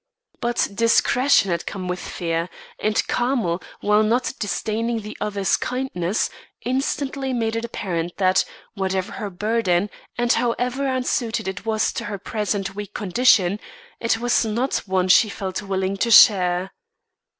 But discretion had come with fear, and Carmel, while not disdaining the other's kindness, instantly made it apparent that, whatever her burden, and however unsuited it was to her present weak condition, it was not one she felt willing to share.